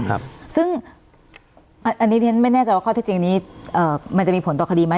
อันนี้ฉันไม่แน่ใจว่าข้อใจจริงมันจะมีผลต่อคดีมั้ย